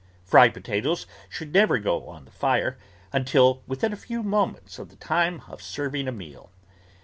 Fried potatoes should never go on the fire until within a few moments of the time of serving a meal.